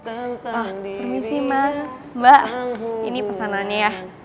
ah permisi mas mbak ini pesanannya ya